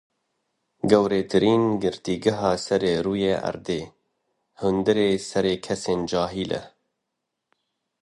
Gewretirîn girtîgeha ser rûyê erdê, hundirê serê kesên cahil e.